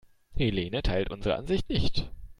Helene teilt unsere Ansicht nicht.